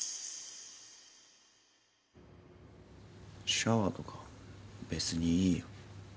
シャワーとか別にいいよ。